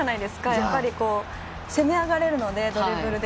やっぱり、攻め上がれるのでドリブルで。